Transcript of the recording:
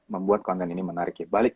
membuat konten ini menarik ya